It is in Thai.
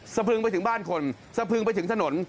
พึงไปถึงบ้านคนสะพึงไปถึงถนน